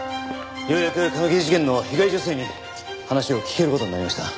ようやく髪切り事件の被害女性に話を聞ける事になりました。